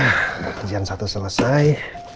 nah kerjaan satu selesai